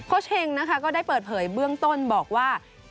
โค้ชเฮงก็ได้เปิดเผยเบื้องต้นบอกว่า